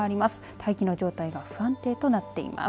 大気の状態が不安定となっています。